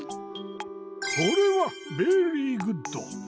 これはベリーグッド！